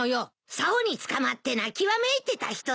さおにつかまって泣きわめいてた人だよ。